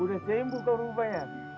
udah sembuh kau rupanya